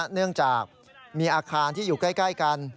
เนื่องจากมีอาคารที่อยู่ใกล้กัน